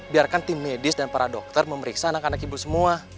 biarkan tim medis dan para dokter memeriksa anak anak ibu semua